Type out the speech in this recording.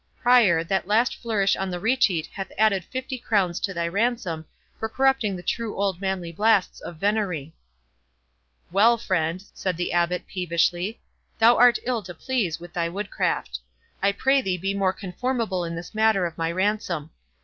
—Prior, that last flourish on the recheat hath added fifty crowns to thy ransom, for corrupting the true old manly blasts of venerie." "Well, friend," said the Abbot, peevishly, "thou art ill to please with thy woodcraft. I pray thee be more conformable in this matter of my ransom.